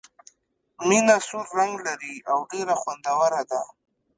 مڼه سور رنګ لري او ډېره خوندوره ده.